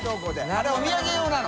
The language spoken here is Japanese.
あれお土産用なの。